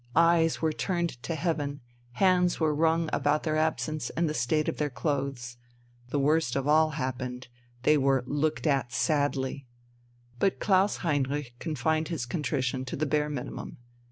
Eyes were turned to heaven, hands were wrung about their absence and the state of their clothes. The worst of all happened, they were "looked at sadly." But Klaus Heinrich confined his contrition to the bare minimum.